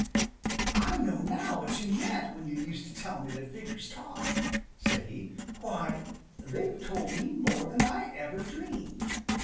"I know now what you meant when you used to tell me that figures talk," said he. "Why, they've told me more than I ever dreamed!